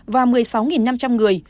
và một mươi sáu năm trăm linh người